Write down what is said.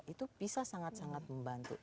itu bisa sangat sangat membantu